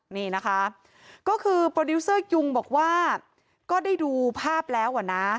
นี่นะคะก็คือโปรดิวเซอร์ยุงบอกว่าก็ได้ดูภาพแล้วอ่ะนะ